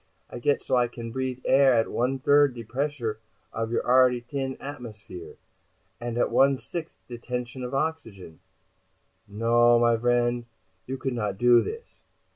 I get so I can breathe air at one third the pressure of your already t'in atmosphere. And at one sixt' the tension of oxygen. No, my vriend, you could not do this.